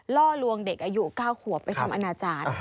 ล่อลวงเด็กอายุ๙ขวบไปทำอนาจารย์